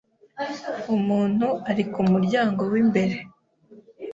Umuntu ari kumuryango wimbere.